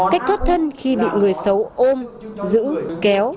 cách thoát thân khi bị người xấu ôm dững kéo